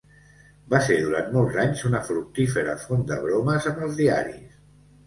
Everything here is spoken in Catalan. Va ser durant molts anys una fructífera font de bromes amb els diaris.